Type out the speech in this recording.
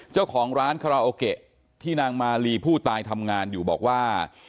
เจ้าของร้านคาราโอเกะที่นางมาลีผู้ตายทำงานอยู่บอกว่า